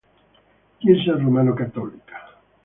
Chiesa Romano-Cattolica.